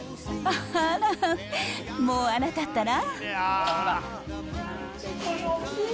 あら、もうあなたったら。